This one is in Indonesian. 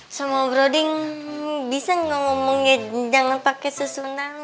semoga broding bisa ngomongnya jangan pakai sesunang